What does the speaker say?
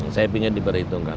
saya pingin diperhitungkan